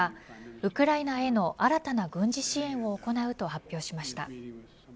ウクライナへの新たな軍事支援を行うと発表しました。